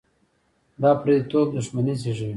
دا پرديتوب دښمني زېږوي.